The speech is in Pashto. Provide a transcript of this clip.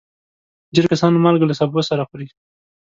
ډېر کسان مالګه له سبو سره خوري.